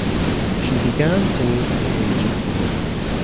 She began singing at the age of four.